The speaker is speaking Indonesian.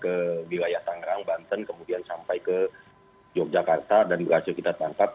ke wilayah tangerang banten kemudian sampai ke yogyakarta dan berhasil kita tangkap